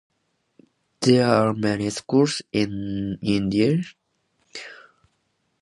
There are many schools in India.